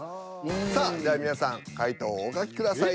さあでは皆さん回答をお書きください。